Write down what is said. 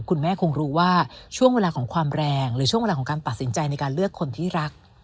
คุณแม่คงรู้ว่าช่วงเวลาของความแรงหรือช่วงเวลาของการตัดสินใจในการเลือกคนที่รัก